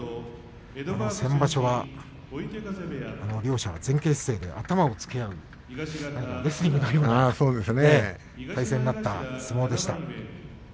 先場所は両者は前傾姿勢で頭をぶつけ合うレスリングのような体勢になった相撲でした。